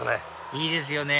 いいですね